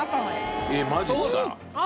えっマジっすか。